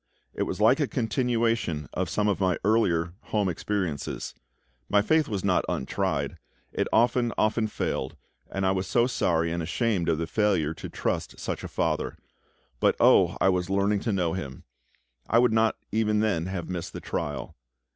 It was like a continuation of some of my earlier home experiences. My faith was not untried; it often, often failed, and I was so sorry and ashamed of the failure to trust such a FATHER. But oh! I was learning to know Him. I would not even then have missed the trial.